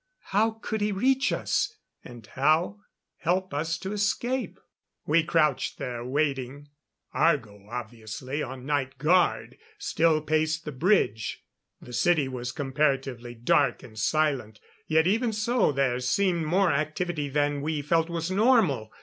How could he reach us? And how help us to escape? We crouched there, waiting. Argo obviously on night guard still paced the bridge. The city was comparatively dark and silent; yet even so, there seemed more activity than we felt was normal.